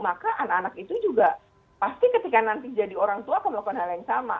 maka anak anak itu juga pasti ketika nanti jadi orang tua akan melakukan hal yang sama